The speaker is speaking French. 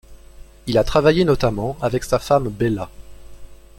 Il a travaillé notamment avec sa femme Bella.